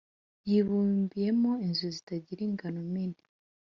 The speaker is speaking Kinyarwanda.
yibumbiyemo inzu zitagira ingano mini